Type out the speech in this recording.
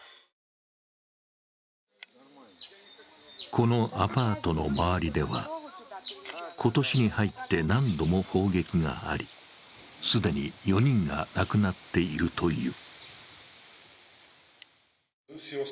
このアパートの周りでは今年に入って何度も砲撃があり既に４人が亡くなっているという。